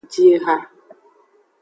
Ji eha.